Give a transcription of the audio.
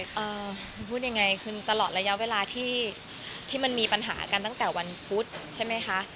คุณพูดยังไงคือตลอดระยะเวลาที่มันมีปัญหากันตั้งแต่วันพุธใช่ไหมคะ